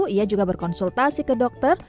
ia juga berkonsultasi ke dokter